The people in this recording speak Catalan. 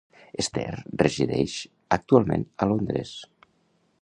Steer resideix actualment a Londres.